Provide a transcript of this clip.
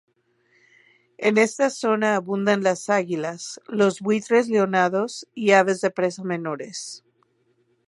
En esta zona abundan las águilas, los buitres leonados y aves de presa menores.